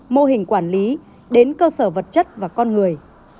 mô hình quản lý đến cơ sở vật chất và con người